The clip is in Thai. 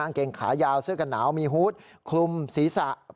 เกงขายาวเสื้อกันหนาวมีฮูตคลุมศีรษะ